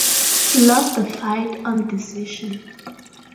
He lost the fight on decision.